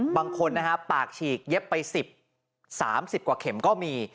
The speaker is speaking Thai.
บางคนปากฉีกเย็บไปสิบสามสิบกว่าเข็มก็มี